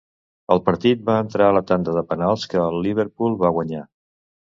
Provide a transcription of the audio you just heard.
El partit va entrar a la tanda de penals, que el Liverpool va guanyar.